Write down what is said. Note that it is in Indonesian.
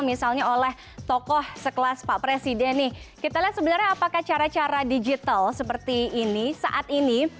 misalnya oleh tokoh sekelas pak presiden nih kita lihat sebenarnya apakah cara cara digital seperti ini saat ini